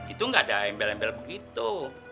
itu nggak ada embel embel begitu